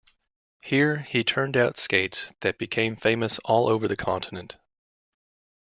Here, he turned out skates that became famous all over the continent.